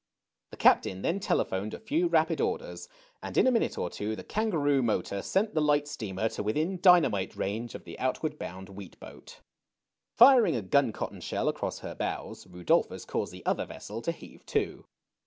The Captain then telephoned a few rapid orders, and in a minute or two the Kangaroo Motor sent the light steamer to within dynamite range of the outward bound wheat boat. Firing a gun cotton shell across her bows, Rudolphus caused the other vessel to heave to.